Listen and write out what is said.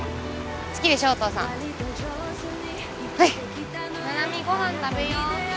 好きでしょお父さんはい七海ご飯食べよう